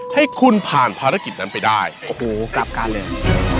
ให้คุณผ่านภารกิจนั้นไปได้โอ้โหกลับกันเลย